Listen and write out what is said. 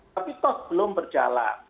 tapi toh belum berjalan